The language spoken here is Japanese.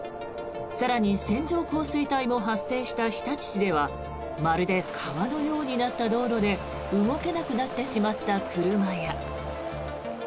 更に、線状降水帯も発生した日立市ではまるで川のようになった道路で動けなくなってしまった車や。